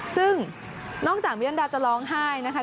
ซึ่งนอกจากมิยันดาจะร้องไห้นะคะ